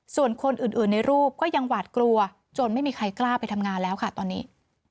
ส่วนคนอื่นในรูปก็ยังหวาดกลัวจนไม่มีใครกล้าไปทำงานแล้วค่ะตอนนี้